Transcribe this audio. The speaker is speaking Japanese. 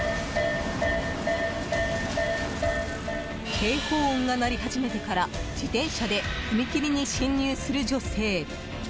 警報音が鳴り始めてから自転車で踏切に進入する女性。